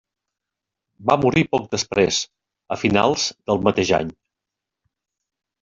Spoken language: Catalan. Va morir poc després, a finals del mateix any.